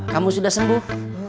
kamu sudah sembuh